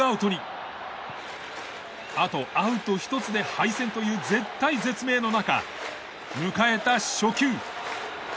あとアウト１つで敗戦という絶体絶命の中迎えた初球。